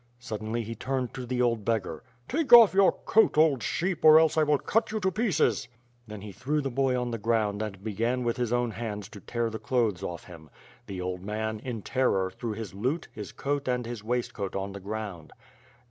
Suddenly he turned to the old beggar. "Take off your coat, old sheep, or else I will cut you to pieces." Then he threw the boy on the ground and began with his 256 ^^^^^^^^^^^ SWORD. own hands to tear the clothes off him. The old man, in terror threw his lute, his coat, and his waistcoat on the ground.